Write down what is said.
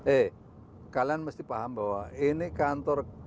eh kalian mesti paham bahwa ini kantor